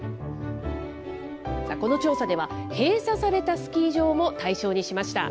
この調査では、閉鎖されたスキー場も対象にしました。